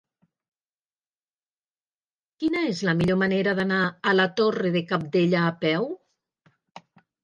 Quina és la millor manera d'anar a la Torre de Cabdella a peu?